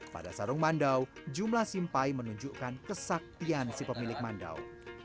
pada sarung mandau jumlah simpai menunjukkan kesaktian si pemilik mandau